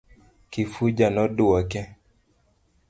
Kifuja noduoke.